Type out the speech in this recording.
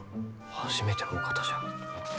初めてのお方じゃ。